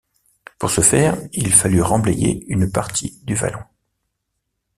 Pour ce faire, il fallut remblayer une partie du vallon.